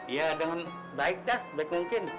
ya dengan baik dah baik mungkin